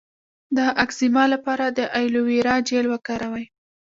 د اکزیما لپاره د ایلوویرا جیل وکاروئ